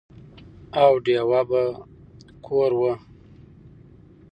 او ډېوه به کور وه،